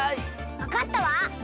わかったわ！